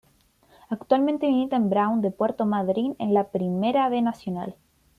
Actualmente milita en Brown de Puerto Madryn de la Primera B Nacional.